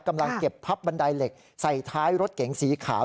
กำลังเก็บพับบันไดเหล็กใส่ท้ายรถเก๋งสีขาว